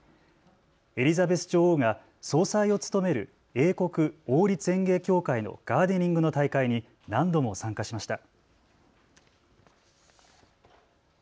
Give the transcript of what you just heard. エリザベス女王が総裁を務める英国王立園芸協会のガーデニングの大会に何度も参加しました。